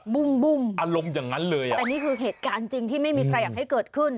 บุ้มอารมณ์อย่างนั้นเลยอ่ะแต่นี่คือเหตุการณ์จริงที่ไม่มีใครอยากให้เกิดขึ้น